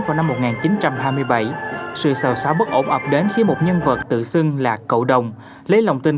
thầy phán vào năm một nghìn chín trăm hai mươi bảy sự sầu sáo bất ổn ập đến khi một nhân vật tự xưng là cậu đồng lấy lòng tình